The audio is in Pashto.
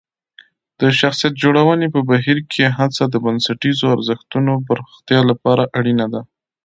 د شخصیت جوړونې په بهیر کې هڅه د بنسټیزو ارزښتونو پراختیا لپاره اړینه ده.